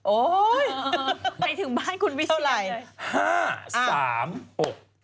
โอ๊ยไปถึงบ้านคุณวิเศียร